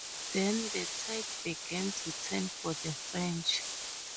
Then, the tide began to turn for the French.